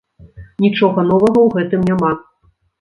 Нічога новага ў гэтым няма.